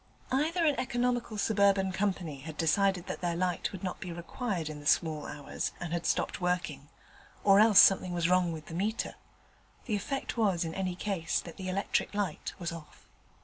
Either an economical suburban company had decided that their light would not be required in the small hours, and had stopped working, or else something was wrong with the meter; the effect was in any case that the electric light was off.